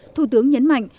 thủ tướng nhấn mạnh